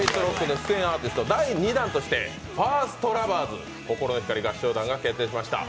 出演アーティスト第２弾としてファーストラバーズ、心の光合唱団が決定しました。